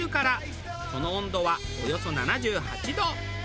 その温度はおよそ７８度。